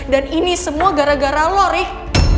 dan ini semua gara gara lu rick